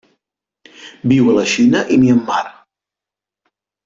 Viu a la Xina i Myanmar.